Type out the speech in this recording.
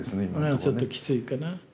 ちょっときついかな。